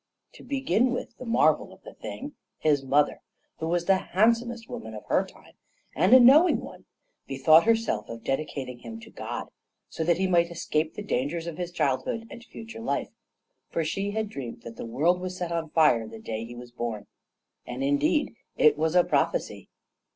To begin with the marvel of the thing his mother, who was the handsomest woman of her time, and a knowing one, bethought herself of dedicating him to God, so that he might escape the dangers of his childhood and future life; for she had dreamed that the world was set on fire the day he was born. And, indeed, it was a prophecy!